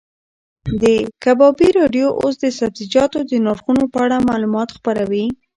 د کبابي راډیو اوس د سبزیجاتو د نرخونو په اړه معلومات خپروي.